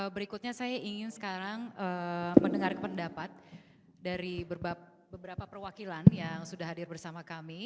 berikutnya saya ingin sekarang mendengar pendapat dari beberapa perwakilan yang sudah hadir bersama kami